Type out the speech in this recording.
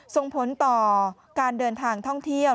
ส่งผลต่อการเดินทางท่องเที่ยว